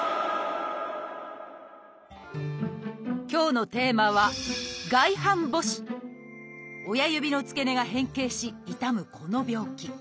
今日のテーマは親指の付け根が変形し痛むこの病気。